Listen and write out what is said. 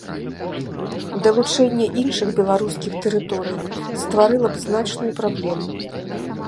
Далучэнне іншых беларускіх тэрыторый стварыла б значную праблему.